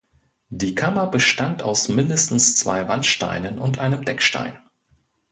Die Kammer bestand aus mindestens zwei Wandsteinen und einem Deckstein.